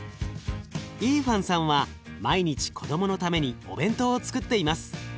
イーファンさんは毎日子どものためにお弁当をつくっています。